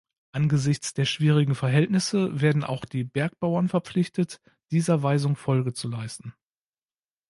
Angesichts der schwierigen Verhältnisse werden auch die Bergbauern verpflichtet, dieser Weisung Folge zu leisten.